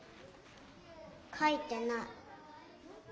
書いてない。